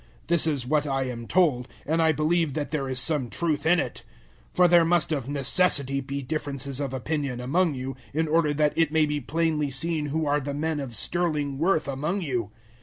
This is what I am told, and I believe that there is some truth in it. 011:019 For there must of necessity be differences of opinion among you, in order that it may be plainly seen who are the men of sterling worth among you.